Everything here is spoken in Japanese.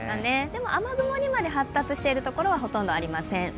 でも雨雲にまで発達しているところは、ほとんどありません。